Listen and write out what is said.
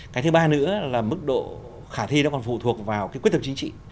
cái thứ ba nữa là mức độ khả thi nó còn phụ thuộc vào cái quyết thực chính trị